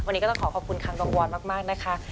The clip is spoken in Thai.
วันนี้ก็ต้องขอบคุณคังควรมากนะคะ